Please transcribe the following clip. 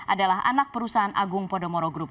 adalah anak perusahaan agung podomoro group